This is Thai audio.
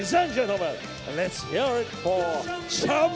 ของแซมเอ็กซ์เตอร์โค้ง